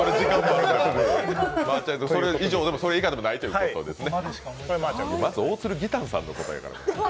それ以上でもそれ以下でもないということですね。